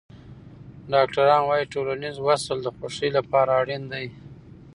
ډاکټران وايي ټولنیز وصل د خوښۍ لپاره اړین دی.